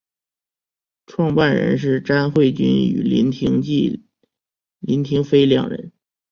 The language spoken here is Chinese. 创办人是詹慧君与林庭妃两人。